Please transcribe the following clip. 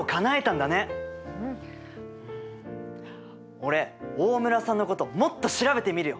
俺大村さんのこともっと調べてみるよ！